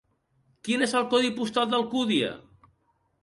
Quin és el codi postal d'Alcúdia?